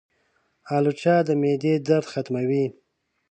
الوچه د معدې درد ختموي.